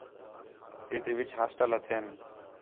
ہے تی وِچ ہاسٹل ہتھین